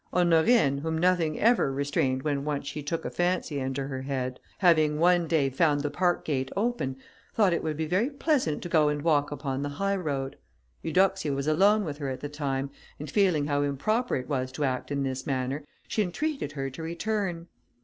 Honorine, whom nothing ever restrained when once she took a fancy into her head, having one day found the park gate open, thought it would be very pleasant to go and walk upon the high road. Eudoxia was alone with her at the time, and feeling how improper it was to act in this manner, she entreated her to return.